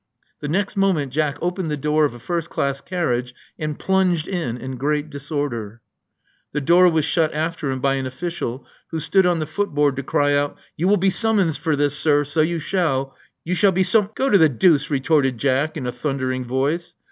The next moment Jack opened the door of a first class carriage, and plunged in in g^reat disorder. The door was shut after him by an official, who stood on the footboard to cry out, "You will be summonsd for this, sir, so you shall. You shalljje sum " Go to the deuce," retorted Jack, in a thundering voice.